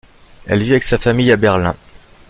Elle vit avec sa famille à Berlin.